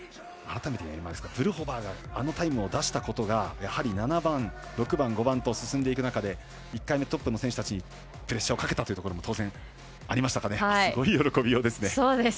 改めて言いますが、ブルホバーがあのタイムを出したことで７番、６番、５番と進んでいく中で１回目、トップの選手にプレッシャーをかけたというところも当然、ありますかね。